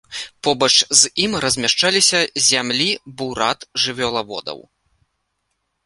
Побач з ім размяшчаліся зямлі бурат-жывёлаводаў.